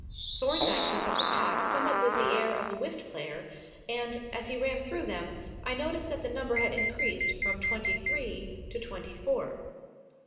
Thorndyke took up the pack somewhat with the air of a whist player, and, as he ran through them, I noticed that the number had increased from twenty three to twenty four.